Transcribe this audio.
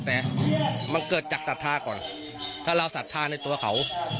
แต่มันเกิดจากศรัทธาก่อนถ้าเราศรัทธาในตัวเขา